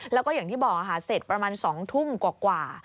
แล้วก็อย่างที่บอกค่ะเสร็จประมาณ๒ทุ่มกว่า